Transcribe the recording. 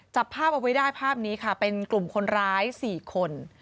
จับภาพเอาไว้ได้ภาพนี้ค่ะเป็นกลุ่มคนร้าย๔คน